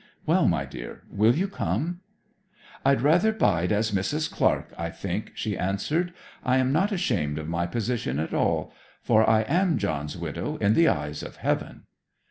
Well, my dear, will you come?' 'I'd rather bide as Mrs. Clark, I think,' she answered. 'I am not ashamed of my position at all; for I am John's widow in the eyes of Heaven.'